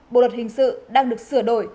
bộ luật hình sự đang được sửa đổi